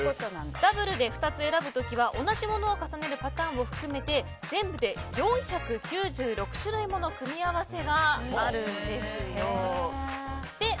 ダブルで２つ選ぶ時は同じものを重ねるパターンも含めて全部で４９６種類もの組み合わせがあるんですよ。